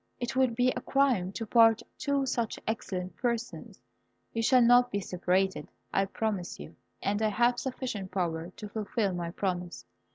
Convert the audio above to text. It would be a crime to part two such excellent persons. You shall not be separated, I promise you; and I have sufficient power to fulfil my promise."